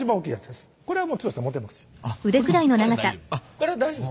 これ大丈夫？